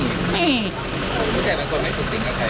ไม่มี